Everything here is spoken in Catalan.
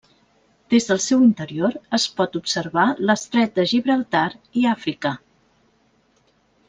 Des del seu interior, es pot observar l'estret de Gibraltar i Àfrica.